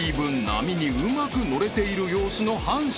波にうまく乗れている様子の阪神］